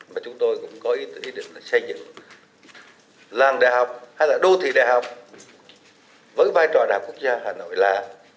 và chúng tôi cũng có ý tưởng xây dựng làng đại học hay là đô thị đại học với vai trò đại học quốc gia hà nội là